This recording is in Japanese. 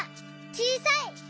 「ちいさい」！